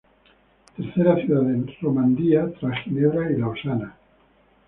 Tercera ciudad de Romandía tras Ginebra y Lausana.